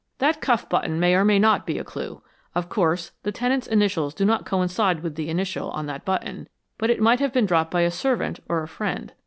That cuff button may or may not be a clue. Of course, the tenant's initials do not coincide with the initial on that button, but it might have been dropped by a servant or a friend.